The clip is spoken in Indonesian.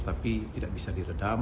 tapi tidak bisa diredam